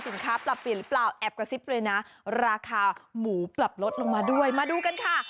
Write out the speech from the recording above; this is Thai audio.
สินค้าปรับมีลเปล่าแอบกระซิบเลยนะราคาหมูปรับลดลงมาด้วยมาดูกันค่ะ